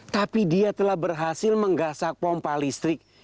tapi dia telah berhasil menggasak pompa listrik